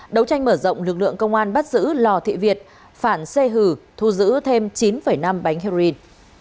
đấu tranh mở rộng lực lượng công an bắt giữ lò thị việt phản xê hử thu giữ thêm chín năm bánh heroin